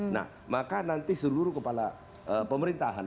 nah maka nanti seluruh kepala pemerintahan